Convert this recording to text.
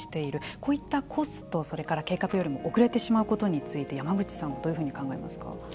こういったコストそれから計画よりも遅れてしまうことについて山口さんはどういうふうに考えますか。